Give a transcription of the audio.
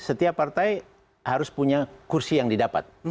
setiap partai harus punya kursi yang didapat